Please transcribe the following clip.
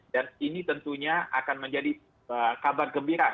dan ini tentunya akan menjadi kabar gembira